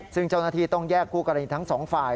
ซึ่งเจ้าหน้าที่ต้องแยกคู่กรณีทั้งสองฝ่าย